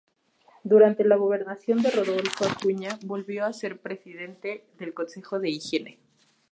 Durante la gobernación de Rodolfo Acuña volvió a ser presidente del Consejo de Higiene.